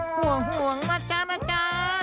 ห่วงนะคะนะคะ